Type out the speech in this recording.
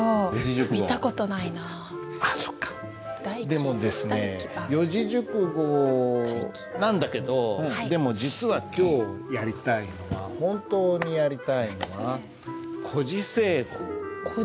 おでもですね四字熟語なんだけどでも実は今日やりたいのは本当にやりたいのは「故事成語」。